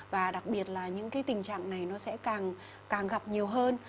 và đặc biệt là những cái tình trạng này nó sẽ càng gặp nhiều hơn